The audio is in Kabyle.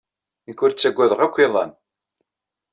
Nekk ur ttagadeɣ akk iḍan.